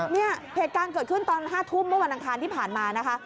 เนี่ยเหตุการณ์เกิดขึ้นตอน๕ทุ่มเมื่อวันอังคารที่ผ่านมานะคะ